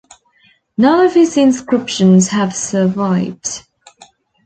None of his inscriptions have survived.